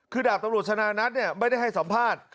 คือดาบตำรวจธนาณัทเนี่ยไม่ได้ให้สอบภาษณ์